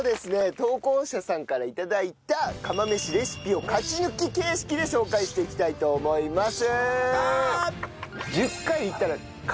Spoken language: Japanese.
投稿者さんから頂いた釜飯レシピを勝ち抜き形式で紹介していきたいと思います。